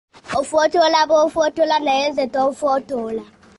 Ofootola b’ofootola naye nze tonfootola.